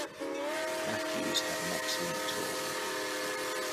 Matthews had an excellent tour.